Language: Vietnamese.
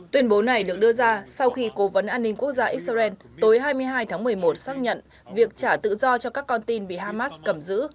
tuyên bố này được đưa ra sau khi cố vấn an ninh quốc gia israel tối hai mươi hai tháng một mươi một xác nhận việc trả tự do cho các con tin bị hamas cầm giữ